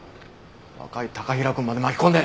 若い高平くんまで巻き込んで。